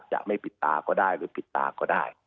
จะไม่ปิดตาก็ได้หรือปิดตาก็ได้